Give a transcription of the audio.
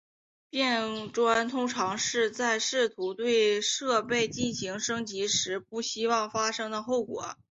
变砖通常是在试图对设备进行升级时不希望发生的后果。